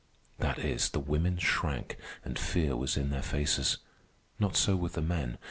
That is, the women shrank, and fear was in their faces. Not so with the men.